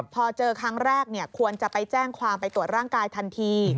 พอเจอครั้งแรกควรจะไปแจ้งความไปตรวจร่างกายทันที